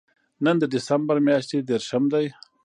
نن د دېسمبر میاشتې درېرشم دی